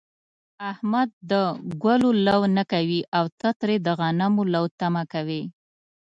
احمد د گلو لو نه کوي، او ته ترې د غنمو لو تمه کوې.